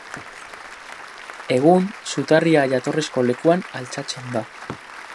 Egun, zutarria jatorrizko lekuan altxatzen da.